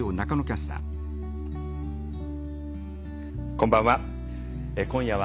こんばんは。